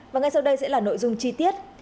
và ngay sau đây sẽ là nội dung chi tiết